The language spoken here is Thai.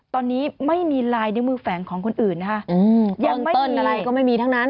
ตอนนี้ไม่มีลายนิ้วมือแฝงของคนอื่นนะคะยังไม่เป็นอะไรก็ไม่มีทั้งนั้น